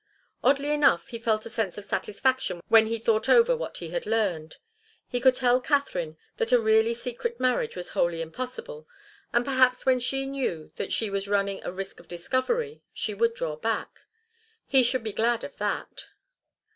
Oddly enough he felt a sense of satisfaction when he thought over what he had learned. He could tell Katharine that a really secret marriage was wholly impossible, and perhaps when she knew that she was running a risk of discovery she would draw back. He should be glad of that.